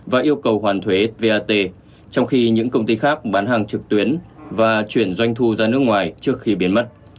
và yêu cầu hoàn thuế vat trong khi những công ty khác bán hàng trực tuyến và chuyển doanh thu ra nước ngoài trước khi biến mất